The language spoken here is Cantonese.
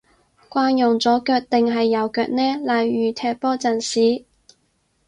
慣用左腳定係右腳呢？例如踢波陣時